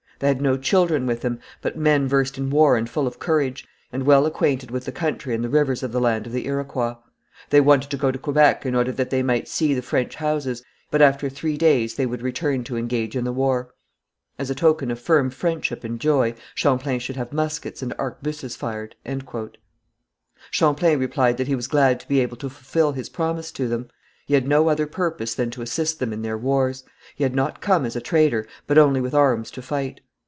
They had no children with them but men versed in war and full of courage, and well acquainted with the country and the rivers of the land of the Iroquois. They wanted to go to Quebec in order that they might see the French houses, but after three days they would return to engage in the war. As a token of firm friendship and joy, Champlain should have muskets and arquebuses fired." Champlain replied that he was glad to be able to fulfil his promise to them; he had no other purpose than to assist them in their wars; he had not come as a trader, but only with arms to fight.